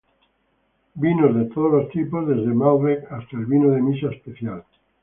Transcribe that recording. Vinos de todos los tipos desde malbec hasta el vino de misa especial.